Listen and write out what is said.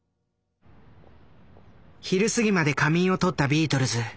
昼すぎまで仮眠をとったビートルズ。